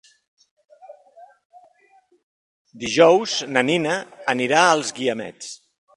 Dijous na Nina anirà als Guiamets.